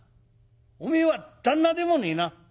「おめえは旦那でもねえな」。